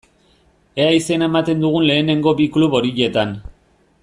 Ea izena ematen dugun lehenengo bi klub horietan.